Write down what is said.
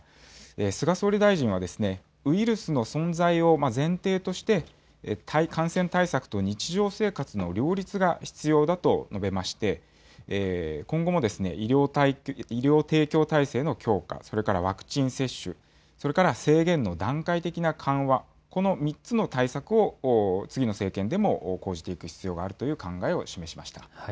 菅総理大臣は、ウイルスの存在を前提として、感染対策と日常生活の両立が必要だと述べまして、今後も医療提供体制の強化、それからワクチン接種、それから制限の段階的な緩和、この３つの対策を次の政権でも講じていく必要があるという考えを示しました。